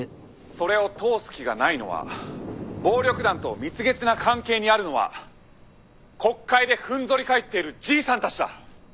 「それを通す気がないのは暴力団と蜜月な関係にあるのは国会で踏ん反り返っている爺さんたちだ！」